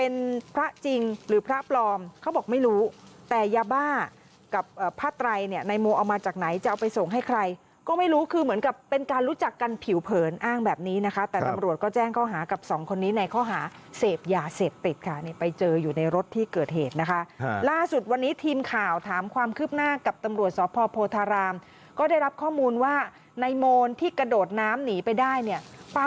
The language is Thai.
ว่าพระไตรนายโมเอามาจากไหนจะเอาไปส่งให้ใครก็ไม่รู้คือเหมือนกับเป็นการรู้จักกันผิวเผินอ้างแบบนี้นะคะแต่ตำรวจก็แจ้งเข้าหากับสองคนนี้ในข้อหาเสพหยาเสพติดค่ะไปเจออยู่ในรถที่เกิดเหตุนะคะล่าสุดวันนี้ทีมข่าวถามความคืบหน้ากับตำรวจสอบพโพธารามก็ได้รับข้อมูลว่านายโมที่กระโดดน้ำหนีไปได้